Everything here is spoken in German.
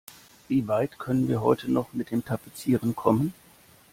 Wie weit können wir heute noch mit dem Tapezieren kommen?